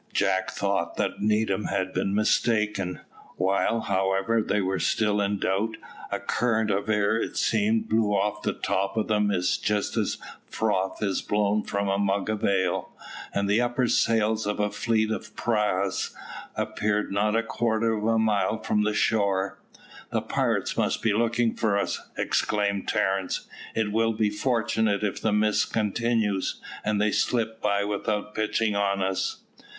Jack thought that Needham had been mistaken. While, however, they were still in doubt, a current of air it seemed blew off the top of the mist just as froth is blown from a mug of ale, and the upper sails of a fleet of prahus appeared not a quarter of a mile from the shore. "The pirates must be looking for us," exclaimed Terence; "it will be fortunate if the mist continues, and they slip by without pitching on us."